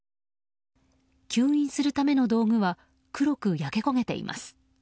吸引するための道具は黒く焼け焦げています。